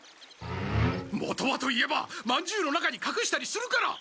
元はと言えばまんじゅうの中にかくしたりするから！